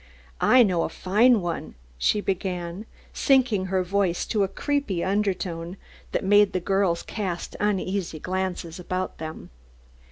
"I know a fine one," she began, sinking her voice to a creepy undertone that made the girls cast uneasy glances behind them.